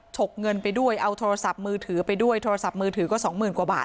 ฉกเงินไปด้วยเอาโทรศัพท์มือถือไปด้วยโทรศัพท์มือถือก็สองหมื่นกว่าบาท